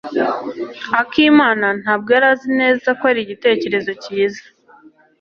Akimana ntabwo yari azi neza ko ari igitekerezo cyiza.